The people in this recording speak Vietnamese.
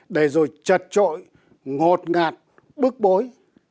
để rồi trật trội ngột ngạt bức bối